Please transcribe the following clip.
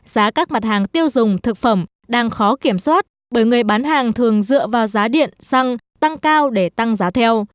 giá các mặt hàng tiêu dùng thực phẩm đang khó kiểm soát bởi người bán hàng thường dựa vào giá điện xăng tăng cao để tăng giá theo